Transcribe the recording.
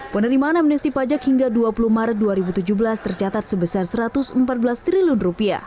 penerimaan amnesti pajak hingga dua puluh maret dua ribu tujuh belas tercatat sebesar rp satu ratus empat belas triliun